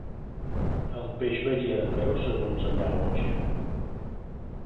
El peix varia de preu segons allà on jeu.